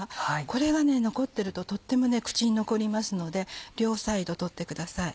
これが残ってるととっても口に残りますので両サイド取ってください。